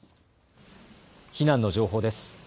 避難の情報です。